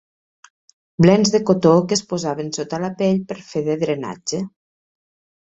Blens de cotó que es posaven sota la pell per fer de drenatge.